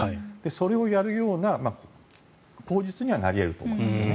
それをやるような口実にはなり得ると思うんですよね。